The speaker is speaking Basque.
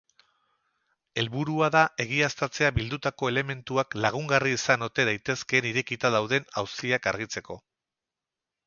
Helburua da egiaztatzea bildutako elementuak lagungarri izan ote daitezkeen irekita dauden auziak argitzeko.